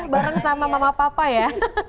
bareng sama mama papa ya